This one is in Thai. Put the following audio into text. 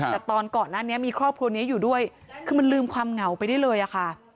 แต่ตอนก่อนหน้านี้มีครอบครัวนี้อยู่ด้วยคือมันลืมความเหงาไปได้เลยอะค่ะ